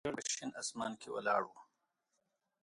زیړ لمر په شین اسمان کې ولاړ و.